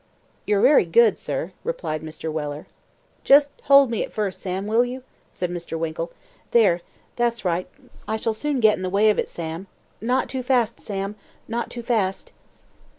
"You're wery good, sir," replied Mr. Weller. "Just hold me at first, Sam; will you?" said Mr. Winkle. "There that's right. I shall soon get into the way of it, Sam. Not too fast, Sam; not too fast."